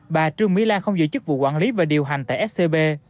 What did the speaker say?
bà trương mỹ lan không giữ chức vụ quản lý và điều hành tại scb